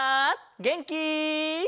げんき？